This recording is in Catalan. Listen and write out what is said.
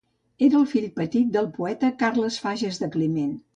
Era el fill petit del poeta Carles Fages de Climent.